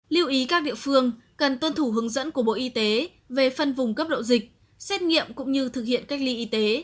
lưu ý các địa phương cần tuân thủ hướng dẫn của bộ y tế về phân vùng cấp độ dịch xét nghiệm cũng như thực hiện cách ly y tế